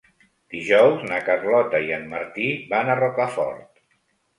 Dijous na Carlota i en Martí van a Rocafort.